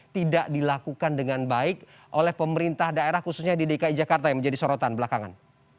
tidak dilakukan dengan baik oleh pemerintah daerah khususnya di dki jakarta yang menjadi sorotan belakangan